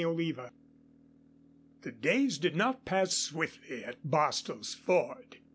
CHAPTER III The days did not pass swiftly at Bostil's Ford.